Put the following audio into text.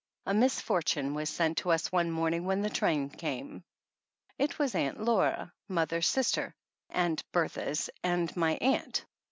A misfortune was sent to us one morning when the train came. It was Aunt Laura, mother's sister, and Bertha's and my aunt.